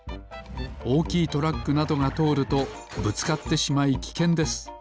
おおきいトラックなどがとおるとぶつかってしまいきけんです